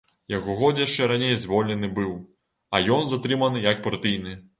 Яго год яшчэ раней звольнены быў, а ён затрыманы як партыйны.